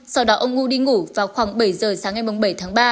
sau đó ông ngu đi ngủ vào khoảng bảy giờ sáng ngày bảy tháng ba